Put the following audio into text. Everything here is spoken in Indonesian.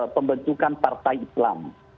pembentukan partai islam